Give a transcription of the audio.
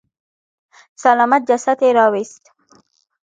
سلامت جسد يې راويست.